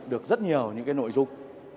được rất nhiều những cái nội dung